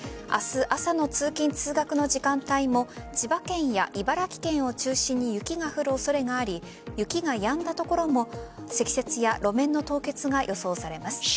明日朝の通勤、通学の時間帯も千葉県や茨城県を中心に雪が降る恐れがあり雪がやんだ所も積雪や路面の凍結が予想されます。